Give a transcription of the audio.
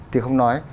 thì không nói